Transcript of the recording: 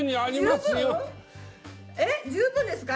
えっ十分ですか？